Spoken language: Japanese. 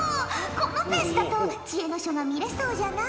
このペースだと知恵の書が見れそうじゃな？